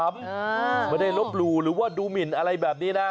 ไม่ได้ลบหลู่หรือว่าดูหมินอะไรแบบนี้นะ